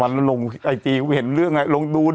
สวัสดีครับคุณผู้ชม